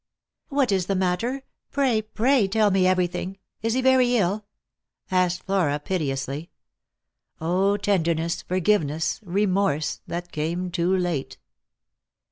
" What is the matter ? Pray, pray tell me everything ! Is he very ill ?" asked Flora piteously. O tenderness, forgiveness, remorse, that came too late